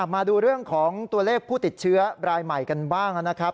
มาดูเรื่องของตัวเลขผู้ติดเชื้อรายใหม่กันบ้างนะครับ